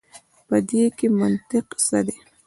په دې کي منطق څه دی.